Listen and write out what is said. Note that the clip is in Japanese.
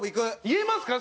言えますか？